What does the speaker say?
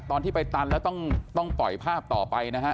ตอนที่ไปตันแล้วต้องปล่อยภาพต่อไปนะฮะ